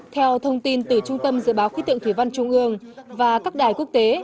theo thông tin từ trung tâm dự báo khí tượng thủy văn trung ương và các đài quốc tế